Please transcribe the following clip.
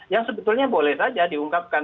yang sebetulnya boleh saja diungkapkan